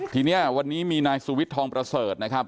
ทีนี้วันนี้มีนายสุวิทย์ทองประเสริฐนะครับ